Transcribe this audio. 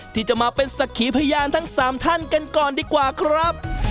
ที่จะมาเป็นสักขีพยานทั้ง๓ท่านกันก่อนดีกว่าครับ